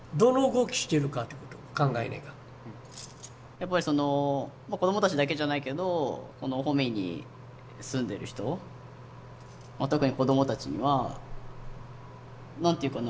やっぱり子どもたちだけじゃないけど保見に住んでる人特に子どもたちには何ていうかな